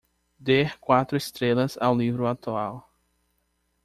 Dê quatro estrelas ao livro atual